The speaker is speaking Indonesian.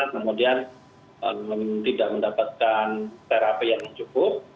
kemudian tidak mendapatkan terapi yang cukup